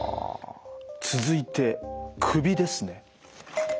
続いて首ですね。